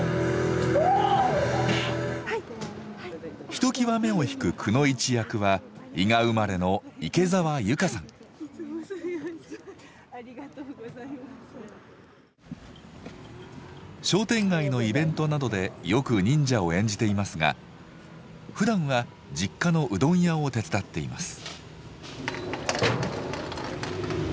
ひときわ目を引くくノ一役は伊賀生まれの商店街のイベントなどでよく忍者を演じていますがふだんは実家のうどん屋を手伝っています。